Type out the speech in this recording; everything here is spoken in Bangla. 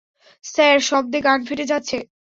স্যার, শব্দে কান ফেটে যাচ্ছে।